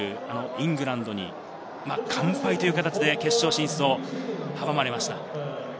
イングランドに完敗という形で決勝進出を阻まれました。